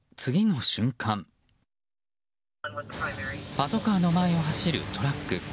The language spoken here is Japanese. パトカーの前を走るトラック。